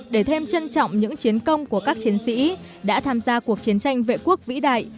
để thêm trân trọng những chiến công của các chiến sĩ đã tham gia cuộc chiến tranh vệ quốc vĩ đại